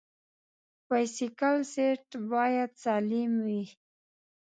د بایسکل سیټ باید سالم وي.